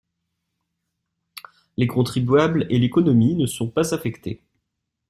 Les contribuables et l'économie ne sont pas affectés.